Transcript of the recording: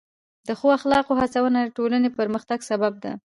د ښو اخلاقو هڅونه د ټولنې د پرمختګ سبب ده.